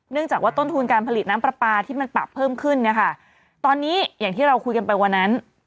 จากว่าต้นทุนการผลิตน้ำปลาปลาที่มันปรับเพิ่มขึ้นเนี่ยค่ะตอนนี้อย่างที่เราคุยกันไปวันนั้น